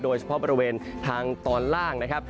โดยเฉพาะบริเวณทางตอนล่างนะครับ